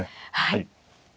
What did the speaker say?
はい。